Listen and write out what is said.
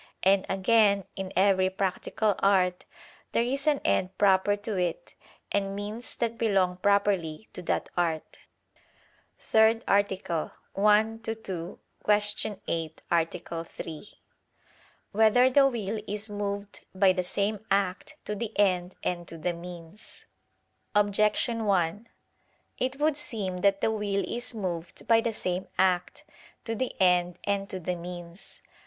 And again, in every practical art there is an end proper to it and means that belong properly to that art. ________________________ THIRD ARTICLE [I II, Q. 8, Art. 3] Whether the Will Is Moved by the Same Act to the End and to the Means? Objection 1: It would seem that the will is moved by the same act, to the end and to the means.